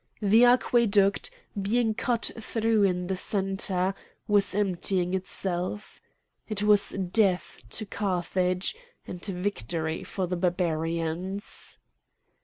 The aqueduct, being cut through in the centre, was emptying itself. It was death to Carthage and victory for the Barbarians.